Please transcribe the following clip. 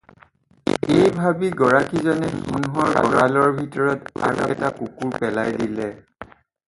এই ভাবি গৰাকী জনে সিংহৰ গৰালৰ ভিতৰত আৰু এটা কুকুৰ পেলাই দিলে।